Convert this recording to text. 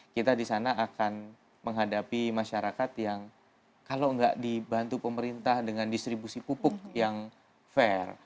kita di sana akan menghadapi masyarakat yang kalau nggak dibantu pemerintah dengan distribusi pupuk yang fair